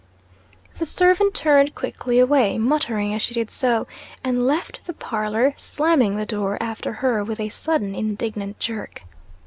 The servant turned quickly away, muttering as she did so, and left the parlor, slamming the door after her with a sudden, indignant jerk.